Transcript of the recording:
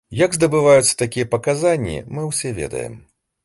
Як здабываюцца такія паказанні, мы ўсе ведаем.